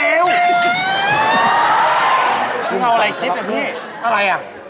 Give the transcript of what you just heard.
มึงเอาอะไรคิดอ่ะพี่